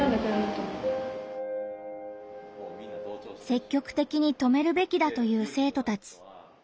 積極的に止めるべきだと言う生徒たち。